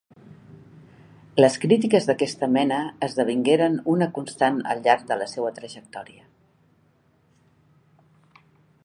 Les crítiques d'aquesta mena esdevingueren una constant al llarg de la seua trajectòria.